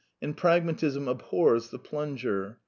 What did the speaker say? And Pragmatism abhors the plunger.